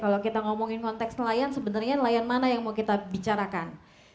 kalau kita ngomongin konteks nelayan sebenarnya nelayan mana yang mau kita bicarakan